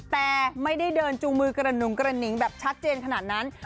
แต่ไม่ได้เดินจูงมือกระหนุงกระหนิงแบบชัดเจนขนาดนั้น